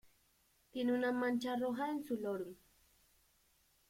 Tiene una mancha roja en su lorum.